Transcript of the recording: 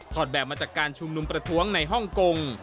แบบมาจากการชุมนุมประท้วงในฮ่องกง